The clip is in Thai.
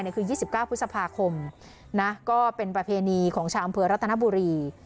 เนี่ยคือยี่สิบเก้าพฤษภาคมนะก็เป็นประเพณีของชาวอำเภอรัฏนบุรี